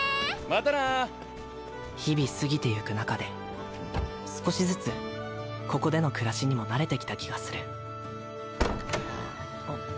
またな日々過ぎてゆく中で少しずつここでの暮らしにも慣れてきた気がするあっ